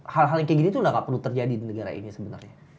hal hal yang kayak gini tuh gak perlu terjadi di negara ini sebenarnya